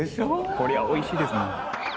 こりゃおいしいですもん。